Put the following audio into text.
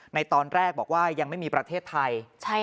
ในตอนแรกบอกว่ายังไม่มีประเทศไทย